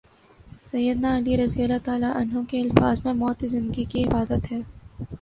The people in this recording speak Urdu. سید نا علیؓ کے الفاظ میں موت زندگی کی محافظ ہے۔